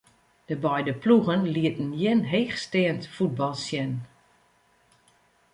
De beide ploegen lieten gjin heechsteand fuotbal sjen.